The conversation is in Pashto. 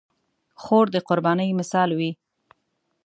خور د قربانۍ مثال وي.